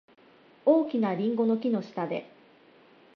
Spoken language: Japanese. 大きなリンゴの木の下で。